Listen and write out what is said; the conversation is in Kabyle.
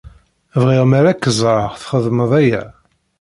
Bɣiɣ mer ad k-ẓreɣ txeddmeḍ aya.